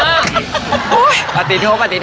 โอ้ยปฏิทุกปฏิทุก